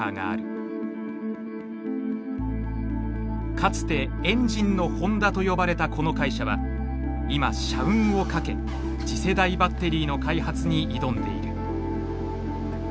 かつて「エンジンのホンダ」と呼ばれたこの会社は今社運をかけ次世代バッテリーの開発に挑んでいる。